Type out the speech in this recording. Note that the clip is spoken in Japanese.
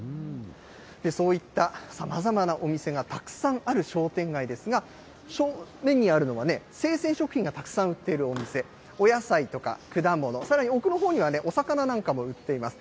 そういったさまざまなお店がたくさんある商店街ですが、正面にあるのは生鮮食品がたくさん売っているお店、お野菜とか果物、さらに奥のほうにはお魚なんかも売っています。